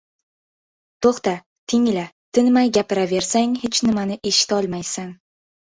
• To‘xta, tingla. Tinmay gapiraversang hech nimani eshitolmaysan.